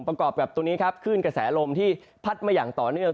ประกอบกับตัวนี้ครับคลื่นกระแสลมที่พัดมาอย่างต่อเนื่อง